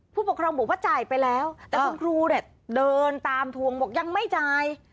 ผู้ปกครองบอกว่าจ่ายไปแล้วแต่คุณครูเนี่ยเดินตามทวงบอกยังไม่จ่าย